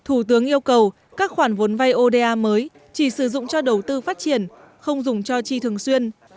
thủ tướng yêu cầu các khoản vốn vay oda mới chỉ sử dụng cho đầu tư phát triển không dùng cho chi thường xuyên